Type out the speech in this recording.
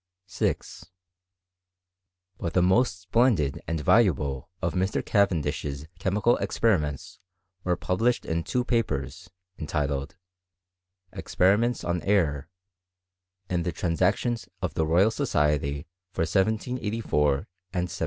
6. But the most splendid and valuable of Mr. Ca vendishes chemical experiments were published in two pc^rs, entitled, " Experiments on Air," in the Transac tions of the Royal Society for 1784 and 1785.